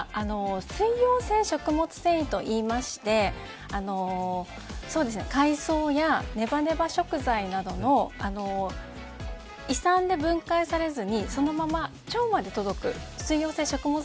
水溶性食物繊維といいまして海藻やネバネバ食材などの胃酸で分解されずにそのまま腸まで届く水溶性食物